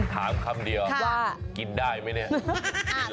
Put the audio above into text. คำเดียวว่ากินได้ไหมเนี่ย